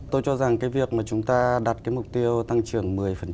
tôi cho rằng cái việc mà chúng ta đặt cái mục tiêu tăng trưởng một mươi